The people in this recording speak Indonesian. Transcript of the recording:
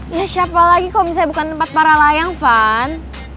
ya siapa lagi kalau misalnya bukan tempat para layang fan